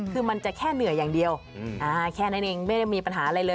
คือมันจะแค่เหนื่อยอย่างเดียวแค่นั้นเองไม่ได้มีปัญหาอะไรเลย